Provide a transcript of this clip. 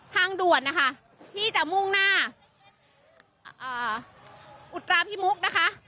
ทางด่วนนะคะที่จะมุ่งหน้าอุตราพิมุกนะคะ